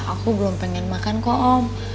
aku belum pengen makan kok om